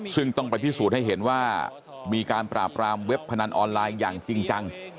ซึ่งต้องไปพิสูจน์ให้เห็นว่ามีการปราบรามเว็บพนันออนไลน์อย่างจริงจัง